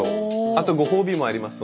あとご褒美もあります